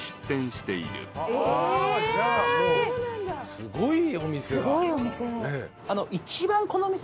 すごいお店。